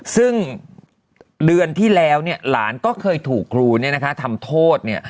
ซึ่งเดือนที่แล้วเนี่ยหลานก็เคยถูกครูเนี่ยนะคะทำโทษเนี่ย